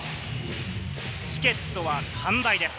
チケットは完売です。